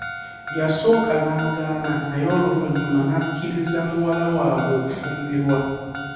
Yasooka n'agaana naye oluvannyuma n'akkiriza muwala waabwe okufumbirwa.